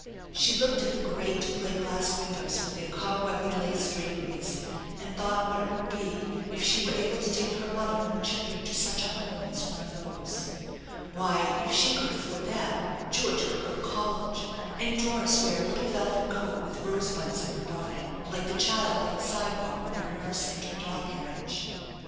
She looked at the great plate glass windows with their cobwebby lace draperies, and thought what it would be if she were able to take her mother and the children to such a home as one of those. Why, if she could afford that, George could v go to college, and Doris wear a little velvet coat with rose buds in her bonnet, like the child on the sidewalk with her nurse and her doll carriage.